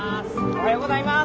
おはようございます。